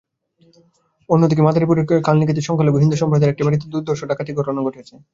অন্যদিকে মাদারীপুরের কালকিনিতে সংখ্যালঘু হিন্দু সম্প্রদায়ের একটি বাড়িতে দুর্ধর্ষ ডাকাতির ঘটনা ঘটেছে।